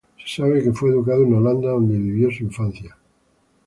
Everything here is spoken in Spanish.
Se sabe que fue educado en Holanda, donde vivió su infancia.